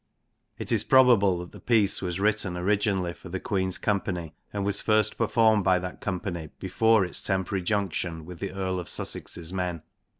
It is probable that the piece was written originally for the Queen's company, and was first performed by that company before its temporary junction with the Earl of Sussex's men.